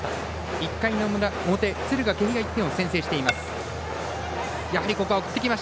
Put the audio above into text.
１回の表、敦賀気比が１点を先制しています。